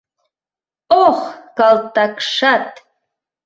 Ох, калтакшат!..